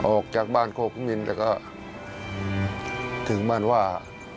ออกจากบ้านโคกมินแต่ก็ถึงบ้านว่า